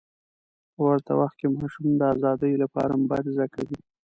په ورته وخت کې ماشوم د ازادۍ لپاره مبارزه کوي.